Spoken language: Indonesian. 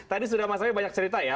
tadi sudah mas awi banyak cerita ya